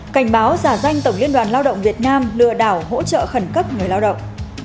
cảnh báo giả danh tổng liên đoàn lao động việt nam lừa đảo hỗ trợ khẩn cấp người lao động